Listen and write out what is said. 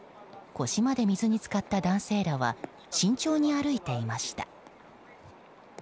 腰まで水に浸かった男性らは慎重に歩いていました。